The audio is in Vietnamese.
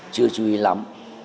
chưa chú ý lắm